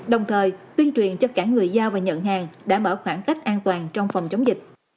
đồng thời tuyên truyền cho cả người giao và nhận hàng đảm bảo khoảng cách an toàn trong phòng chống dịch